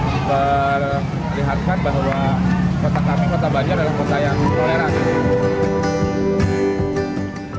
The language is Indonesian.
diperlihatkan bahwa kota kami kota banjar adalah kota yang toleran